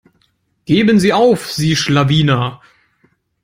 Geben sie auf, sie Schlawiner.